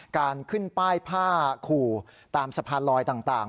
การขึ้นป้ายผ้าขู่ตามสะพานลอยต่าง